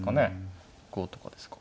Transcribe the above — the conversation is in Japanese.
こうとかですか。